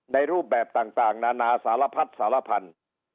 ในรูปแบบต่างต่างนานาสารพัดสารพันธ์